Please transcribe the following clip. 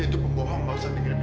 itu pembomong bahasa tinggi